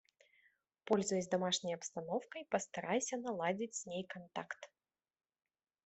Пользуясь домашней обстановкой, постарайся наладить с ней контакт.